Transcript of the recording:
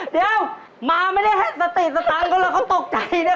เดี๋ยวมาไม่ได้ให้สติสตังค์เขาเลยเขาตกใจนะ